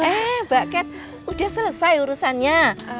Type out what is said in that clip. eh mbak kat udah selesai urusannya